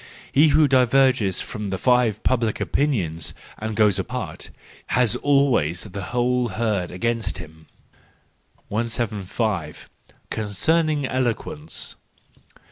—He who diverges from the five public opinions and goes apart, has always the whole herd against him. 175 . Concerning Eloquence.